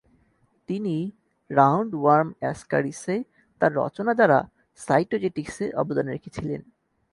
তিনি রাউন্ডওয়ার্ম অ্যাসকারিসে তাঁর রচনা দ্বারা সাইটোজেটিক্সে অবদান রেখেছিলেন।